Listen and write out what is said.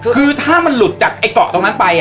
คือถ้ามันหลุดจากไอ้เกาะตรงนั้นไป